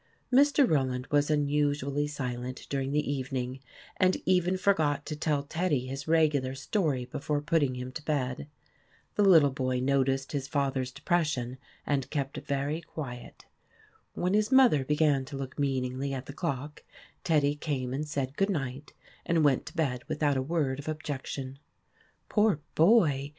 Mr. Rowland was unusually silent during the evening, and even forgot to tell Teddy his regular story before putting him to bed. The little boy noticed his father's depression, and kept very quiet. When his mother began to look meaningly at the clock, Teddy came and said good night, and went to bed without a word of objection. TEDDY AND THE WOLF 151 " Poor boy